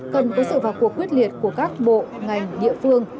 cần có sự vào cuộc quyết liệt của các bộ ngành địa phương